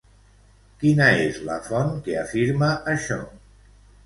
Quina és la font que afirma això?